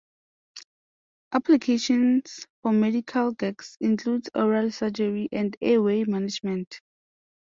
Applications for medical gags include oral surgery and airway management.